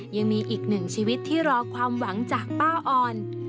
ยังมีอีกหนึ่งชีวิตที่รอความหวังจากป้าอ่อน